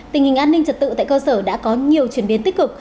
tình hình an ninh trật tự tại cơ sở đã có nhiều chuyển biến